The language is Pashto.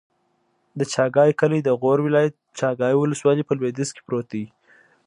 د چاګای کلی د غور ولایت، چاګای ولسوالي په لویدیځ کې پروت دی.